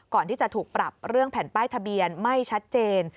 ก่อนที่จะถูกปรับเรื่องแผ่นป้ายทะเบียนไม่ชัดเจน